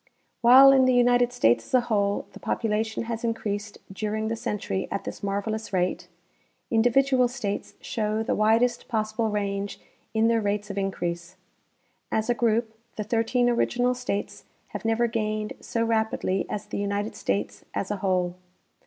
While in the United States as a whole the population has in creased during the century at this marvelous rate, individual states show the widest possible range in their rates of increase. As a group, the thirteen original states have never gained so rapidly as the United States as a whole.